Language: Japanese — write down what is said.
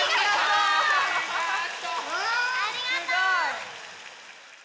ありがとう！